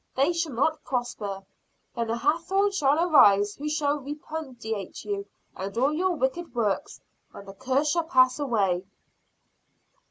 They shall not prosper. Then a Hathorne shall arise who shall repudiate you and all your wicked works, and the curse shall pass away!"